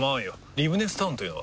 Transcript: リブネスタウンというのは？